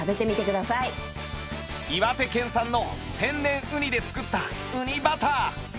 岩手県産の天然ウニで作ったうにバター